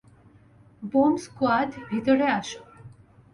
Bomb squad, ভিতরে আসো।